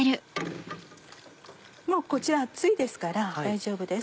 もうこちら熱いですから大丈夫です。